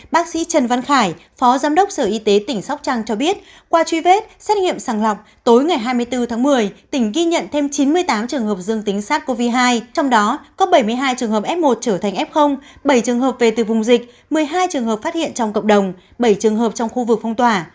bác sĩ trần văn khải phó giám đốc sở y tế tỉnh sóc trăng cho biết qua truy vết xét nghiệm sàng lọc tối ngày hai mươi bốn tháng một mươi tỉnh ghi nhận thêm chín mươi tám trường hợp dương tính sars cov hai trong đó có bảy mươi hai trường hợp f một trở thành f bảy trường hợp về từ vùng dịch một mươi hai trường hợp phát hiện trong cộng đồng bảy trường hợp trong khu vực phong tỏa